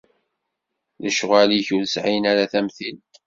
Lecɣal-ik ur sɛin ara tamtilt.